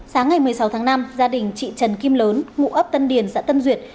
sáng ngày một mươi sáu tháng năm gia đình chị trần kim lớn ngụ ấp tân điền xã tân duyệt